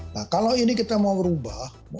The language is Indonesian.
nah kalau ini kita mau berubah